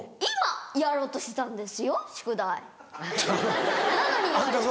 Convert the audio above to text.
今やろうとしてたんです。